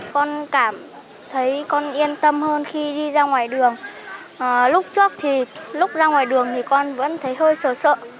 con cảm thấy con yên tâm hơn khi đi ra ngoài đường lúc trước thì lúc ra ngoài đường thì con vẫn thấy hơi sợ